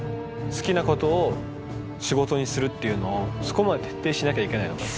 好きなことを仕事にするっていうのをそこまで徹底しなきゃいけないのか。